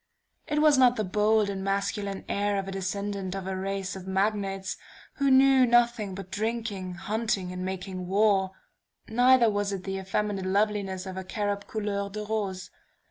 It was not the bold and masculine air of a descendant of a race of Magnates, who knew nothing but drinking, hunting and making war; neither was it the effeminate loveliness of a cherub couleur de rose.